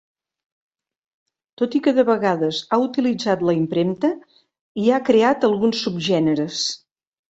Tot i que, de vegades, ha utilitzat la impremta i ha creat alguns subgèneres.